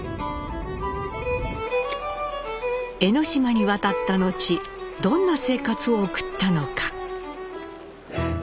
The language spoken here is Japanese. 江島に渡った後どんな生活を送ったのか？